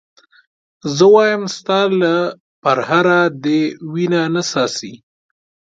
زه وایم ستا له پرهره دې وینه نه څاڅي.